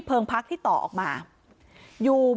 นางศรีพรายดาเสียยุ๕๑ปี